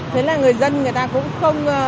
thế là người dân người ta cũng không